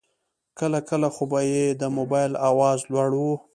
کله کله خو به یې د موبایل آواز لوړ و.